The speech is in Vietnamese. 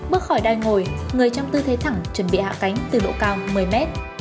bước khỏi đai ngồi người trong tư thế thẳng chuẩn bị hạ cánh từ độ cao một mươi mét